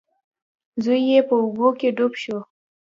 زوی یې په اوبو کې ډوب شو.